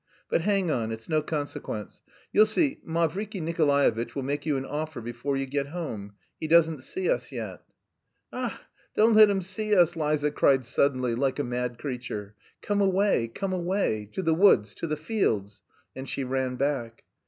But, hang it; it's no consequence! You'll see, Mavriky Nikolaevitch will make you an offer before you get home. He doesn't see us yet." "Ach! Don't let him see us!" Liza cried suddenly, like a mad creature. "Come away, come away! To the woods, to the fields!" And she ran back.